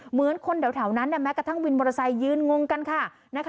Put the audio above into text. เหมือนคนแถวนั้นแม้กระทั่งวินมอเตอร์ไซค์ยืนงงกันค่ะ